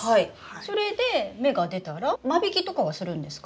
それで芽が出たら間引きとかはするんですか？